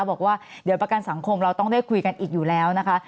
บอกว่าเดี๋ยวประกันสังคมเราต้องได้คุยกันอีกอยู่แล้วนะคะ